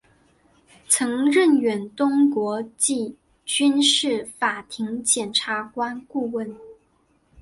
曾任远东国际军事法庭检察官顾问。